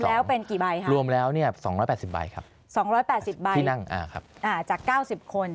แล้วเป็นกี่ใบค่ะรวมล้างเนี่ย๒๘๐ใบครับที่นั่งอ่าจาก๙๐คน